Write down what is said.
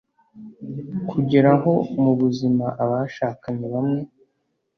kugeraho mubuzima abashakanye bamwe